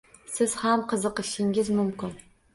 Siz ham qiziqishingiz mumkin.